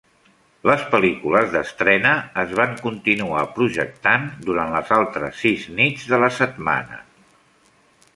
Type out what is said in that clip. Les pel·lícules d'estrena es van continuar projectant durant les altres sis nits de la setmana.